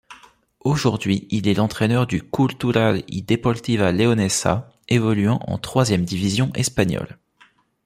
Aujourd'hui, il est l'entraîneur du Cultural y Deportiva Leonesa, évoluant en troisième division espagnole.